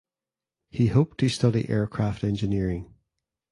He hoped to study aircraft engineering.